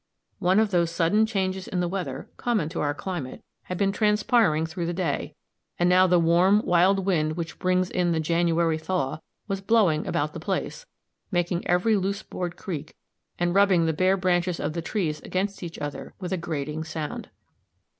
One of those sudden changes in the weather, common to our climate, had been transpiring through the day, and now the warm, wild wind which brings in the "January thaw," was blowing about the place, making every loose board creak, and rubbing the bare branches of the trees against each other with a grating sound.